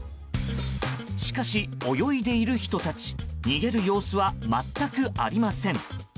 しかし、泳いでいる人たち逃げる様子は全くありません。